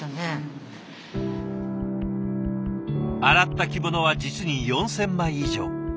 洗った着物は実に４，０００枚以上。